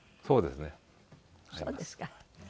そうですか。